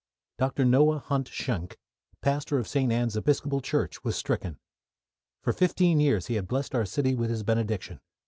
Doctor Noah Hunt Schenck, pastor of St. Ann's Episcopal Church, was stricken. For fifteen years he had blessed our city with his benediction.